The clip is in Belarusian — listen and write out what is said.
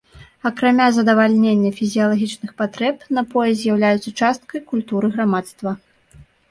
Акрамя задавальнення фізіялагічных патрэб напоі з'яўляюцца часткай культуры грамадства.